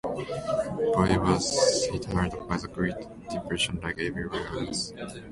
Bowie was hit hard by the Great Depression like everywhere else.